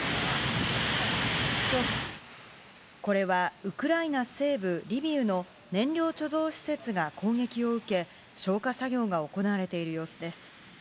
これはウクライナ西部リビウの燃料貯蔵施設が攻撃を受け消火作業が行われている様子です。